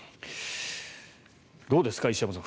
どうですか、石山さん